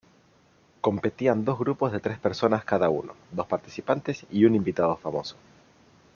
Competían dos grupos de tres personas cada uno: dos participantes y un invitado famoso.